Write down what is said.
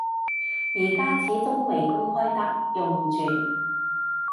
而家始終未公開得用住